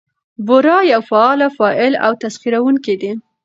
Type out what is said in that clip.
بورا يو فعال فاعل او تسخيروونکى دى؛